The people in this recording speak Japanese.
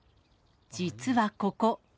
実はここ。